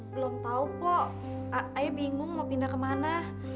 belum tau pok ayo bingung mau pindah kemana